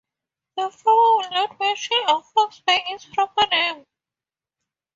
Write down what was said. The farmer will not mention a fox by its proper name.